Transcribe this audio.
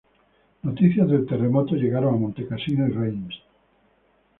Noticias del terremoto llegaron a Montecassino y Reims.